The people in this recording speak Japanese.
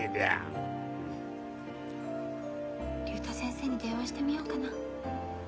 竜太先生に電話してみようかな。